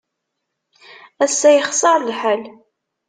Ass-a, yexṣer lḥal.